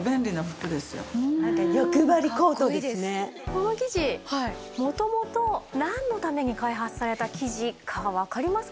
この生地もともとなんのために開発された生地かわかりますか？